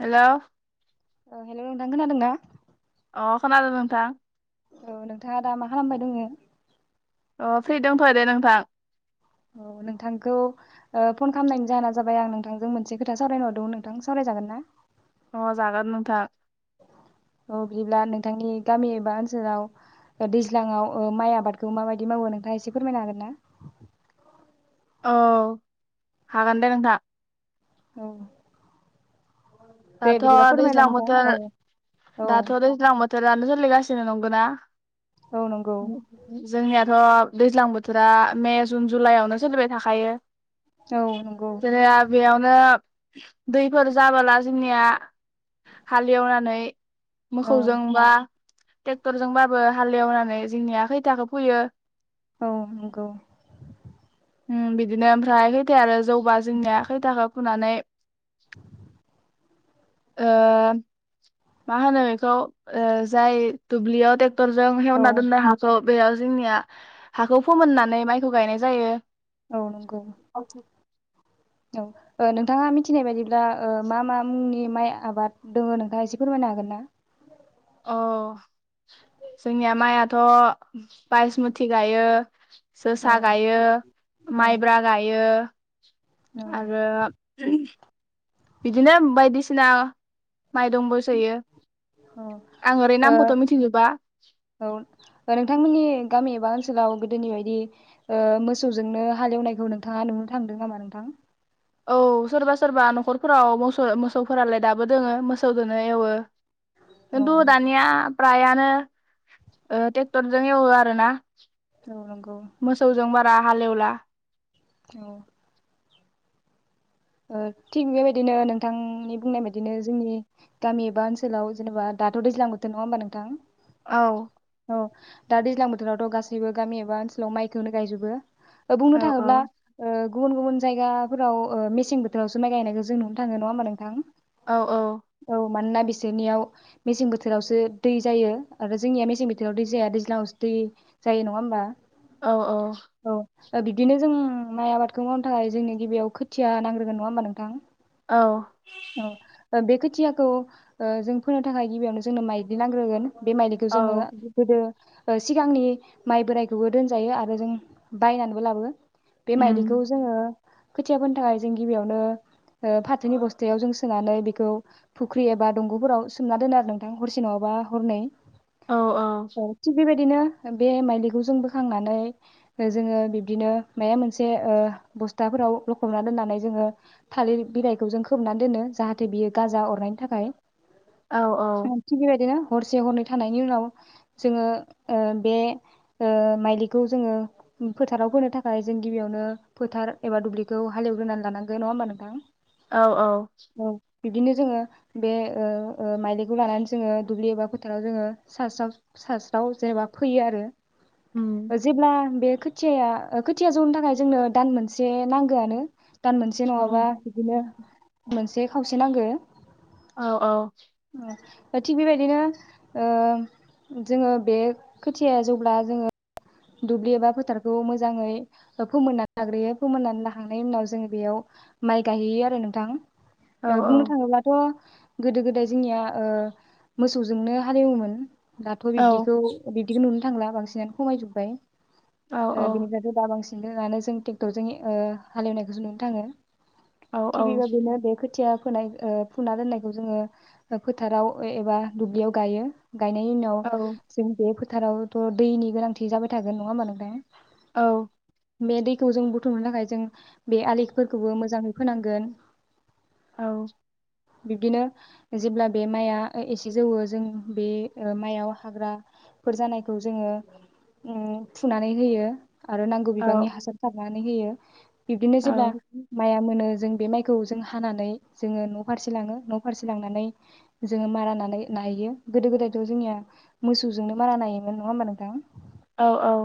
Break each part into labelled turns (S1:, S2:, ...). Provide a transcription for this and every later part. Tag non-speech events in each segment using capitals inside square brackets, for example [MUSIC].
S1: हेल'
S2: ओ हेल' नोंथां खोनादोंना?
S1: अ खोनादो नोंथां
S2: औ नोंथाङा दा मा खालामबाय दोङो?
S1: अ फ्रि दंथ'यो दे नोंथां
S2: औ नोंथांखौ ओ फन खालामनायनि जाहोना जाबाय आं नोंथांजों मोनसे खोथा सावरायनो हरदोंमोन नोंथां सावरायजागोन ना?
S1: अ जागोन नोंथां
S2: औ बिदिब्ला नोंथांनि गामि एबा ओनसोलाव ओ दैज्लाङाव ओ माइ आबादखौ माबायदि मावो नोंथाङा एसे फोरमायनो हागोन ना?
S1: औ हागोन दे नोंथां
S2: औ दे बिदिब्ला
S1: दाथ'
S2: फोरमायलाय
S1: दैज्लां
S2: नोंथां
S1: बोथोर
S2: औ औ
S1: दाथ' दैज्लां बो थोरानो सोलिगासिनो नंगौ ना?
S2: औ नंगौ
S1: [UNINTELLIGIBLE] जोंनियाथ' दैज्लां बोथोरा मे जुन जुलाइआवनो सोलिबाय थाखायो
S2: औ नंगौ
S1: जेनेबा बेयावनो दैफोर जाबोला जोंनिया हालेवनानै
S2: औ
S1: मोखौजों बा टेक्टरजोंबाबो हालेवनानै जोंनिया खैथाखो फोयो
S2: औ नंगौ
S1: उम बिदिनो ओमफ्राय खैथाया आरो जौबा जोंनिया खैथाखौ फुनानै ओ माहोनो बेखौ ओ जाय दुब्लियाव टेक्टरजों
S2: औ
S1: हेवना दोननाय हाखौ बेयाव जोंनिया हाखौ फोमोननानै माइखौ गायनाय जायो।
S2: औ नंगौ औ ओ नोंथाङा मि थिनाय बायदिब्ला ओ मा मा मुंनि माइ आबाद दोङो नोंथाङा एसे फोरमायनो हागोन ना?
S1: अ जोंनिया माइयाथ' बायसमुथि गायो
S2: औ
S1: जोसा गायो
S2: औ
S1: माइब्रा गायो
S2: औ
S1: आरो [UNINTELLIGIBLE] बिदिनो बायदिसिना माइ दंबोसोयो
S2: औ
S1: आं ओरै
S2: ओ
S1: नामखौथ' मिथिजोबा।
S2: औ नोंथांमोननि गामि एबा ओनसोलाव गोदोनि बायदि ओ मोसौजोंनो हालेवनायखौ नोंथाङा नुनो थांदों नामा नोंथां?
S1: औ सोरबा सोरबा न'खरफोराव मोसौ मोसौफोरालाय दाबो दोङो मोसौदोनो एवो।
S2: औ
S1: खिन्थु दानिया फ्रायानो ओ ट्रेक्टरजों एवो आरो ना
S2: औ नंगौ।
S1: बा हाल वेला
S2: औ। ओ थिग बेबायदिनो नोंथांनि बुंनाय बायदिनो जोंनि गामि एबा ओनसोलाव जेनेबा दाथ' दैज्लां बोथोर नङा होमबा नोंथां।
S1: औ।
S2: औ दा दैज्लां बोथोरावथ' गासैबो गामि एबा ओनसोलाव माइखौ होनो गायजोबो
S1: औ
S2: बुंनो
S1: औ
S2: थाङोब्ला ओ गुबुन गुबुन जायगाफोराव ओ मेस सें बोथोरावसो माइ गायनायखो जोंनो नुनो थांनो नंआ होनबा नोंथां?
S1: औ औ।
S2: मानोना बिसोरनियाव मेसें बोथोरावसो दै जायो आरो जोंनिया मेसें बोथोराव दै जाया दैज्लाङावसो दै जायो नङा होमबा।
S1: औ औ।
S2: बिबदिनो जों माइ आबादखौ मावनो थाखाय जोंनि गिबियाव खोथिया नांग्रो नङा होमा नोंथां?
S1: औ
S2: औ ओ बेख खुथियाखौ ओ जों फोनो थाखाय गिबियावनो जोंनो माइलि नांग्रोगोन। बेमाइलिखो जोङो
S1: औ
S2: गोदो ओ सिगांनि माइ बोराइखौबो दोनजायो आरो जों बायनानैबो लाबो बे माइलिखौ
S1: उम
S2: जोङो खाथिया फोनो थाखाय जों गिबियावनो ओ फाथोनि बस्थायाव जों सोनानै बेखौ फुख्रि एबा दंग'फोराव सोमना दोनो आरो नोंथां हरसे नङाबा हरनै।
S1: औ औ।
S2: बिदिनो बे माइलिखौ जों बोखांनानै जोङो बिबदिनो मायबा मोनसे ओ बस्थाफोराव लखबना दोननानै जोङो थालिर बिलाइखौ जों खोबनानै दोनो जाहाथे बियो गाजा अरनायनि थाखाय।
S1: औ
S2: थिक बेबादिनो हरसे हरनै थानायनि उनाव जोङो ओ बे ओ माइलिखौ जोङो फोथाराव फोनो थाखाय जों गिबियावनो फोथार एबा दुब्लिखौ हालेवग्रोना लानांगोन नङा ओमबा नोंथां?
S1: औ औ।
S2: औ बिब्दिनो जोङो बे ओ ओ माइलिखौ लानानै जोङो दुब्लि एबा फोथाराव जोङो सस्र सास्राव जेनेबा फैयो आरो
S1: उम
S2: जिब्ला बे खोथिया ओ खोथिया जौनो थाखाय जोंनो दान मोनसे नांगोआनो। दान मोनसे
S1: औ
S2: नङाबा बिदिनो मोनसे खावसे नांगो।
S1: औ औ
S2: ओ थिग बेबायदिनो ओ जोङो बे खोथियाया जौब्ला जोङो दुब्लि एबा फोथारखौ मोजाङै फोमोननानै लाग्रोयो फोमोननानै लाखांनायनि उनाव जोङो बेयाव माइ गायहैयो आरो
S1: औ
S2: नोंथां बुंनो थाङोब्लाथ' गोदो गोदाय जोंनिया ओ मोसौजोंनो हालेवोमोन। दाथ' बिबदिखौ बिबदिखौ नुनो थांला बांसिनानो खमायजोब बाय
S1: औ
S2: ओ बिनिफ्रायथ' दा बांसिन जों ट्रेक्टरजों ओ हालेवनायखौसो नुनो थाङो। [UNINTELLIGIBLE] बे खोथिया फोनाय ओ फुना दोननायखौ जोङो फोथाराव एबा दुब्लियाव गायो। गायनायनि उनाव जों बे फोथारावथ' दैनि गोनांथि जाबाय थागोन नङा होमबा नोंथां?
S1: औ
S2: बे दैखौ जों बुथुमनो थाखाय जों बे आलिफोरखौबो मोजाङै खोनांगोन।
S1: औ
S2: बिब्दिनो जेब्ला बे माइआ एसे जौवो जों बे ओ माइयाव हाग्राफोर जानायखौ जोङो ओम फुनानै होयो। आरो नांगौ बिबांनि हासार सार नानै होयो। बिबदिनो
S1: औ
S2: जेब्ला माइया मोनो। जों बे माइखौ जों हानानै जोङो न' फारसे लाङो न' फारसे लांनानै जोङो मारानानाय नायो गोदो गोदायथ' जोंनिया मोसौजोंनो मारा नायोमोन नङा होमबा नोंथां?
S1: औ औ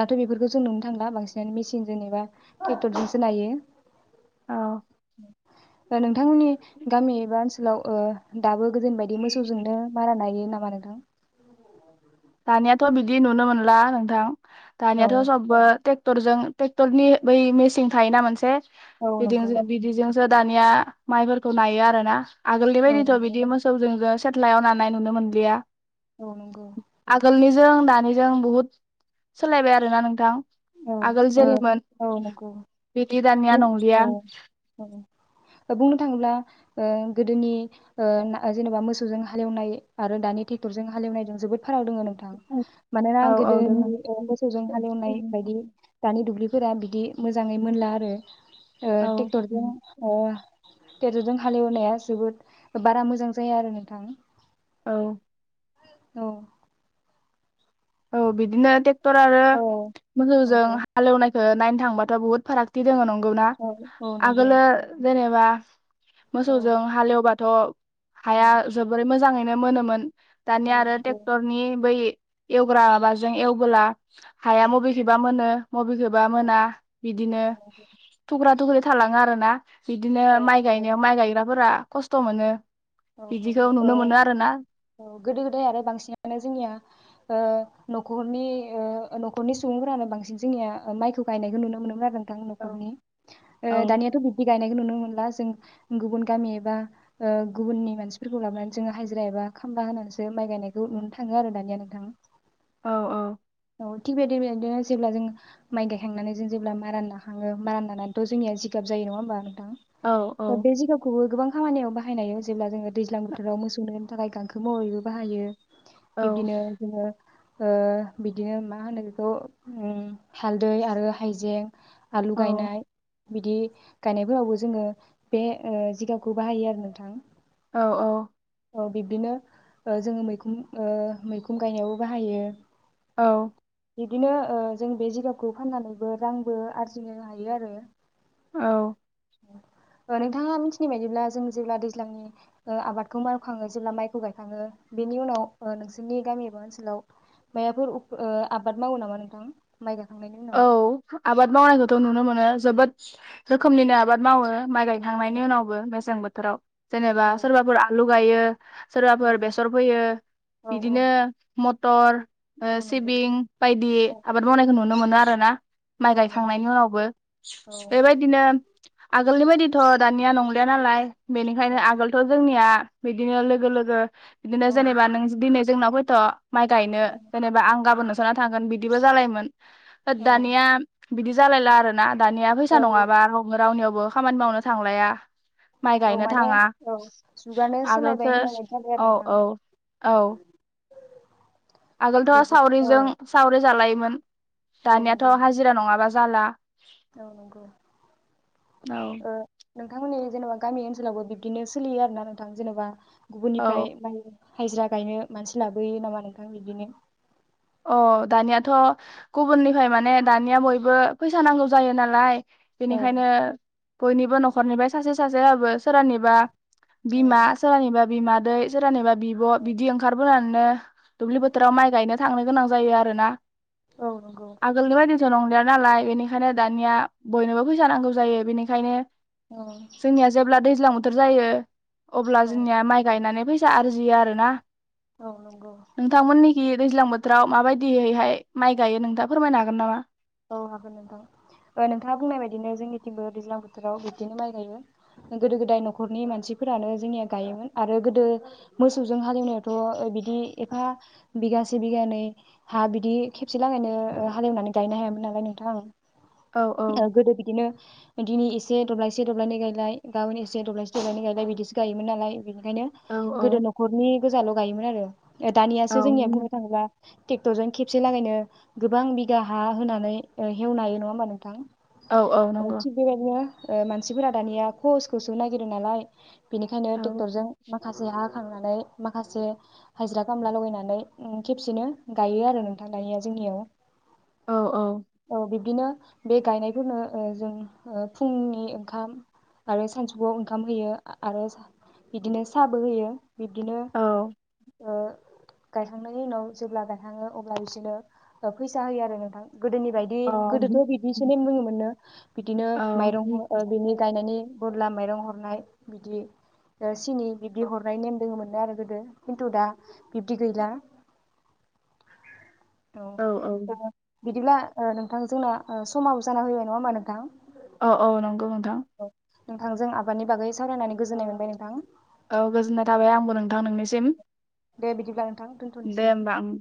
S2: दाथ' बेफोरखौ जों नुनो थांला बांसिनानो मेसिनजों एबा ट्रेक्टरजोंसो नायो। [UNINTELLIGIBLE] गामि एबा ओनस लाव ओ दाबो गोदोनि बायदि मोसौजोंनो मारा नायो ना [UNINTELLIGIBLE] नोंथां
S1: दानियाथ' बिदि नुनो मोनला नोंथां।
S2: औ
S1: दानियाथ' सबबो टेक्ट टरजों टेक्टर नि बै मेसिन थायोना मोनसे
S2: औ नंगौ
S1: [UNINTELLIGIBLE] बिदिजों जो दानिया माइफोरखौ नायो आरो ना आगोलनि
S2: औ
S1: बायदिथ'
S2: नंगौ
S1: बिदि मोसौजों जा सेटलायाव नानाय नुनो मोनलिया
S2: औ नंगौ
S1: आगोलनिजों दानिजों बहुद सोलायबाय आरोना नोंथां
S2: औ
S1: आगोल
S2: ओ
S1: जेरैमोन
S2: औ नंगौ
S1: बिदि दानिया
S2: बुं औ
S1: नंलिया
S2: औ बुंनो थाङोब्ला ओ गोदोनि ओ ना जेनेबा मोसौजों हालेवनाय आरो दानि ट्रेक्टरजों हालेवनायजों जोबोद फाराग दोङो नोंथां मानोना
S1: औ औ दोङो
S2: गोदोनि ओ मोसौजों हालेवनाय दानि दुब्लिफोरा बिदि मोजाङै मोनला आरो ओ
S1: औ
S2: टेकटरजों ओ टेकटरजों हालेवनाया जोबोद बारा मोजां जाया आरो नोंथां
S1: औ
S2: औ
S1: औ बिदिनो टेक क्टर आरो
S2: औ
S1: मोसौजों
S2: नंगौ
S1: हालेवनायखो नाय थांबाथ' बहुत फारागथि दङो नं गौना
S2: औ औ नंगौ
S1: आगोलो जेने बा
S2: औ
S1: मोसौजों हालेवबा थ'
S2: औ
S1: हाया जोबोर मोजाङै नो मोनोमोन
S2: औ
S1: दानि आरो
S2: नंगौ
S1: टेक्टरनि बै एवग्रा माबाजों एवबोला
S2: औ
S1: हाया मबेखैबा मोनो बबेखिबा मोना बिदिनो
S2: औ नंगौ
S1: थुख्रा थुख्रि थालाङो आरोना बिदिनो
S2: औ
S1: माइ
S2: नंगौ
S1: गायनायाव माइ गायग्राफोरा खस्थ' मोनो
S2: औ
S1: बिदिखौ
S2: नंगौ ओ
S1: नुनो मोनो आरो ना
S2: औ गोदो गोदाय आरो बांसिनानो जोंनिया ओ न'खरनि ओ न'खरनि सुबुंफ्रानो बांसिन जोंनिया माइखौ गायनायखौ नुनो मोनोमोन आरो नों थां
S1: औ
S2: न'खरनि ओ दानियाथ' बिबदि गायनायखौ नुनो मोनला जों गुबुन गामि एबा ओ गुबुननि मानसिफोरखौ लाबोनानै जोङो हाजिरा एबा खामला होनानैसो माइ गायनायखौ नुनो थाङो आरो दानिया नोंथां
S1: औ औ।
S2: औ थिग बेबादि बेबादिनो जेब्ला जों माइ गायखांनानै जों जेब्ला मारान नाखाङो, मारान नानानैथ' जोंनिया जिगाब जायो, नङा होमबा नों
S1: औ औ
S2: थां। बे जिगाबखौबो गोबां खामानियाव बाहायनायाव जेब्ला जोङो दैज्लां बोथोराव मोसौ थाखाय गांखो महरैबो बाहायो। बिब्दिनो जोङो ओ बिदिनो मा होनो बेखौ उम हालदै आरो हाइजें आलु
S1: औ
S2: गायनाय बिदि गायनायफोरावबो जोङो बे ओ जिगाबखौ बाहायो आरो नोंथां।
S1: औ औ।
S2: औ बिब्दिनो जोङो मैखुम ओ मैखुम गायनायावबो बाहायो।
S1: औ।
S2: बिब्दिनो ओ जों बे जिगावखौ फाननानैबो रांबो आरजिनो हायो आरो।
S1: औ।
S2: ओ नोंथाङा मिथिनाय बायदिब्ला जों जेब्ला दैज्लांनि ओ आबाद खौ मावखाङो जेब्ला माइखौ गायखाङो बेनि उनाव ओ नोंसोरनि गामि एबा ओनसोलाव मायाफोर उफ ओ आबाद मावो नामा नोंथां? माइ गा
S1: औ आबाद मावनायखौथ' नुनो मो नो। जोबोद रोखोमनिनो आबाद मावो। माइ गायखांनायनि उनावबो मेसें बो थोराव। जेनेबा
S2: औ
S1: सोरबाफोर आलु गायो।
S2: औ
S1: सोरबाफोर बेसर फैयो,
S2: औ औ
S1: बिदिनो म टर ओ
S2: औ नंगौ
S1: सिबिं बायदि
S2: औ
S1: आबाद मावनायखौ नु नो मोनो आरोना। माइ
S2: औ नंगौ
S1: गायखांनायनि उनावबो।
S2: औ
S1: बेबादिनो आल आगोलनि बायदिथ' दानिया नंलिया नालाय। बेनिखायनो
S2: औ
S1: आगोलथ' जोंनिया बिदिनो लोगो लोगो बिदिनो
S2: औ
S1: जेनेबा नों दिनै जोंनाव फैथ' माइ गायनो जेनेबा आं गाबोन
S2: औ
S1: नोसानाव थांगोन बि बिदिबो जालायोमोन।
S2: औ
S1: दानिया बिदि जालायला आरोना। दानिया फैसा
S2: औ
S1: नङाबा रावबो रावनियावबो खामानि मावनो थांलाया माइ
S2: औ
S1: गायनो
S2: माने
S1: थाङा
S2: औ जुगानो सोलायबाय
S1: आगोलसो
S2: होननाय बायदि जाबाय आरो
S1: औ
S2: नोंथां
S1: औ औ आगोलथ'
S2: बिदि औ
S1: सावरिजों सावरि जालायो मोन।
S2: औ नंगौ
S1: दानियाथ' हाजिरा नङाबा जाला।
S2: औ नंगौ।
S1: औ
S2: ओ नोंथांमोननि जेनेबा गामि ओनसोलावबो बिब्दिनो सोलियो आरो ना नोंथां? जेनेबा
S1: औ
S2: गुबुननिफ्राय माने हाजिरा गायनो मानसि लाबोयो नामा नोंथां बिदिनो?
S1: अ दानियाथ' गुबुननिफ्राय माने दानिया बयबो फैसा नांगौ जायो नालाय
S2: औ
S1: बेनिखायनो बयनिबो न'खरनिफ्राय सासे सासेबाबो सोरानिबा
S2: औ
S1: बिमा सोरानिबा बिमा सोरानिबा बिब' बिदि ओंखारबोनानैनो दुब्लि फोथाराव माय गायनो थांनो गोनां जायो आरो ना।
S2: औ नंगौ
S1: आगोलनि बायदिथ' नंलिया नालाय बेनिखायनो दानिया बयनोबो फैसा नांगौ जायो बेनिखायनो
S2: औ
S1: जोंनिया जेब्ला दैज्लां बोथोर जायो। अब्ला
S2: औ
S1: जोंनिया माइ गायनानै फैसा आरजियो आरो ना।
S2: औ नंगौ
S1: नोंथां मोननिखि दैज्लां [UNINTELLIGIBLE] बोथोराव माबायदियैहाय माइ गायो नोंथांङा फोरमायनो हागोन नामा?
S2: औ हागोन नोंथां नोंथाङा बुंनाय बायदिनो जोंनिथिंबो दैज्लां बोथोराव बिब्दिनो माइ गायो गोदो गोदाय न'खरनि मानसिफोरानो जोंनिया गायोमोन आरो गोदो मोसौजों हालेवनायावथ' बिदि एफा बिगासे बिगानै हा बिदि खेबसे लागायनो हालेवनानै गायनो हायामोन। मोन नालाय
S1: औ औ
S2: नोंथां गोदो बिदिनो दिनै एसे एसे दब्लायसे दब्लायनै गायलाय गाबोन एसे दब्लायसे दब्लायनै गायलाय बिदिसो गायोमोन नालाय। बेनिखायनो
S1: औ
S2: गोदो न'खरनि गोजाल' गायोमोन आरो। दानियासो
S1: औ
S2: जोंनिया बुंनो थांङोब्ला टेक्टर जों खेबसे लागायनो गोबां बिगा हा होना नै ओ हेवनो हायो नङा होमबा नोंथां?
S1: औ औ नंगौ
S2: थिग बेबायदिनो ओ मानसिफोरा दानिया खहसखौसो नागिरो नालाय बिनिखायनो
S1: औ
S2: टेक्टरजों माखासे हा थांनानै माखासे हाजिरा खामला लगायनानै उम खेबसेनो गायो आरो गायनाया नोंथांया जोंनियाव।
S1: औ।
S2: औ बि बि नो बे गायनायफोरनो ओ जों फुंनि ओंखाम आरो सानजौफुआव ओंखाम होयो आ आरो बिदिनो साहाबो होयो। बिदिनो
S1: औ
S2: ओ गायखांनायनि उनाव जेब्ला गायखाङो अब्ला बिसोरनो ओ फैसा होयो आरो नोंथां। गोदोनि बायदि गोदोथ' बिब्दिसो नेम दोङोमोनो बिदिनो
S1: औ
S2: माइरं ओ बिनि गायनायनि बदला माइरं हर नाय बिदि थिनि
S1: औ
S2: ब्बिबदि हरनाय नेम दङमोन। नो आरो गोदो किन्थु दा बिब्दि गैला। औ ओ। बिदिब्ला ओ नोंथां जोंना ओ समाव जाना फैबाय नङा हनबा नोंथां?
S1: अ अ नंगौ नों
S2: औ। नोंथांजों आबादनि बागै सावरायनानै गोजोननाय मोनबाय नोंथां।
S1: औ गोजोननाय थाबाय आंबो नोंथां नोंनिसिम।
S2: दे बिदिब्ला नोंथां
S1: दे
S2: दोनथ'नोसै।
S1: होमबा ओं